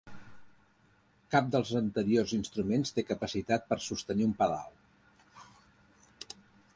Cap dels anteriors instruments té capacitat per sostenir un pedal.